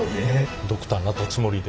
ドクターなったつもりで。